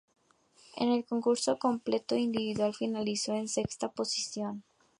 En el concurso completo individual finalizó en sexta posición.